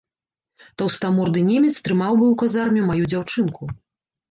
Таўстаморды немец трымаў бы ў казарме маю дзяўчынку.